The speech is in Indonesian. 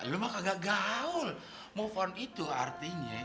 lo mah kagak gaul move on itu artinya